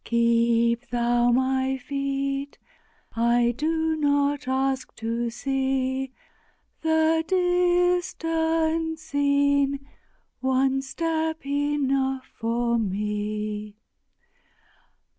Keep Thou my feet! I do not ask to see The distant scene! one step enough for me.